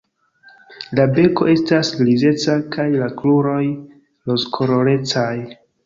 La beko estas grizeca kaj la kruroj rozkolorecaj.